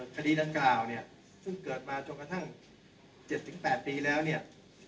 คดีดังกล่าวเนี่ยซึ่งเกิดมาจนกระทั่ง๗๘ปีแล้วเนี่ย